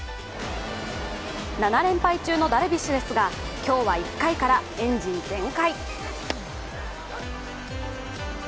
７連敗中のダルビッシュですが、今日は１回からエンジン全開。